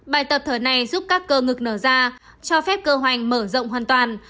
bài tập thở này giúp các cơ ngực nở ra cho phép cơ hoành mở rộng hoàn toàn